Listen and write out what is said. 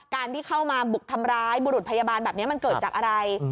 ที่เข้ามาบุกทำร้ายบุรุษพยาบาลแบบนี้มันเกิดจากอะไร